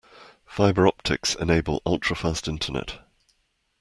Fibre optics enable ultra-fast internet.